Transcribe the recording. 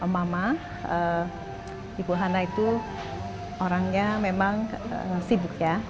mama ibu hana itu orangnya memang sibuk ya